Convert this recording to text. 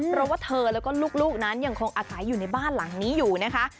เพราะว่าเธอแล้วก็ลูกนั้นยังคงอาศัยอยู่ในบ้านหลังนี้อยู่นะคะ